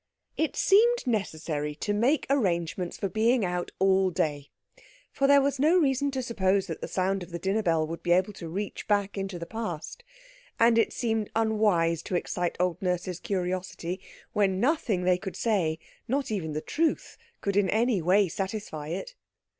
It seemed necessary to make arrangements for being out all day, for there was no reason to suppose that the sound of the dinner bell would be able to reach back into the Past, and it seemed unwise to excite old Nurse's curiosity when nothing they could say—not even the truth—could in any way satisfy it.